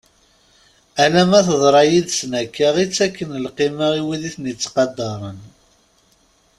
Alamma teḍra yid-sent akka i ttakent lqima i wid i tent-itt-qadaren.